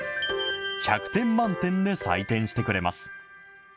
１００点満点で採点してくれます。